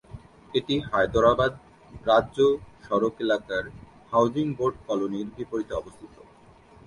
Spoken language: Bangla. এটি হায়দরাবাদ রাজ্য সড়ক এলাকার হাউজিং বোর্ড কলোনির বিপরীতে অবস্থিত।